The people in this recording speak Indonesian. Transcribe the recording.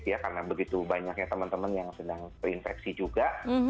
ya karena begitu banyaknya teman teman yang sedang terinfeksi juga